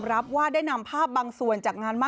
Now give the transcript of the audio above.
โนโน่รู้อยู่แล้วแหละเพราะว่าก็มีผู้จัดการคนเดียวกัน